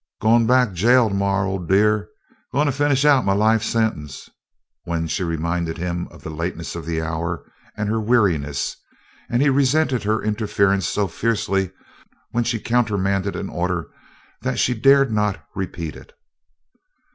"Goin' back jail 'morra, Ol' Dear goin' finish out my life sentence," when she reminded him of the lateness of the hour and her weariness, and he resented her interference so fiercely when she countermanded an order that she dared not repeat it.